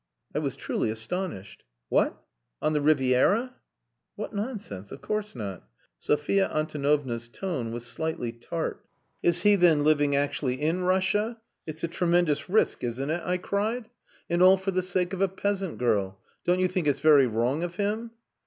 I was truly astonished. "What! On the Riviera?" "What nonsense! Of course not." Sophia Antonovna's tone was slightly tart. "Is he, then, living actually in Russia? It's a tremendous risk isn't it?" I cried. "And all for the sake of a peasant girl. Don't you think it's very wrong of him?"